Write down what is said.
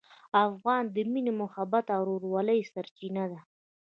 افغان د مینې، محبت او ورورولۍ سرچینه ده.